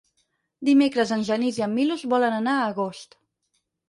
Dimecres en Genís i en Milos volen anar a Agost.